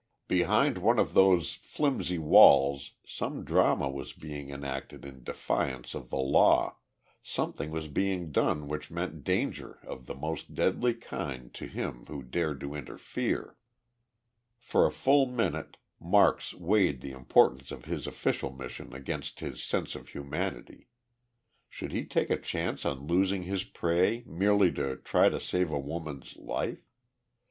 Behind one of those flimsy walls some drama was being enacted in defiance of the law something was being done which meant danger of the most deadly kind to him who dared to interfere. For a full minute Marks weighed the importance of his official mission against his sense of humanity. Should he take a chance on losing his prey merely to try to save a woman's life?